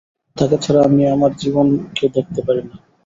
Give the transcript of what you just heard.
তাকে ছাড়া আমি আমার জীবনকে দেখতে পারি না।